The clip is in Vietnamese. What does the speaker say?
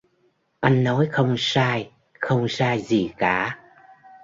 Anh nói không sai không sai gì cả